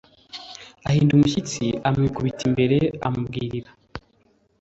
ahinda umushyitsi amwikubita imbere amubwirira